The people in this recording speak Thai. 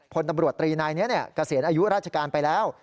พลตำรวจตรีนายกระเสรินอายุราชการไปแล้ว